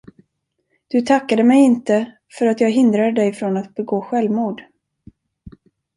Du tackade mig inte, för att jag hindrade dig från att begå självmord.